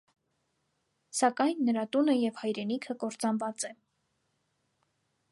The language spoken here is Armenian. Սակայն նրա տունը և հայրենիքը կործանված է։